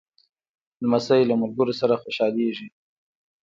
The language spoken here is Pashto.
لمسی له ملګرو سره خوشحالېږي.